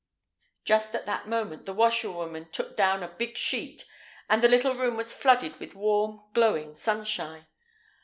Just at that moment the washerwoman took down a big sheet, and the little room was flooded with warm, glowing sunshine.